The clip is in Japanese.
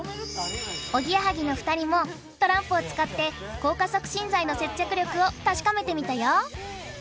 おぎやはぎの２人もトランプを使って硬化促進剤の接着力を確かめてみたよ